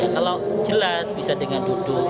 kalau jelas bisa dengan duduk